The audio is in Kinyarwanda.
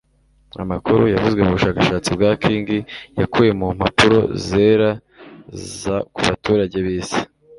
Amakuru yavuzwe mu bushakashatsi bwa King yakuwe mu mpapuro zera za ku baturage bisi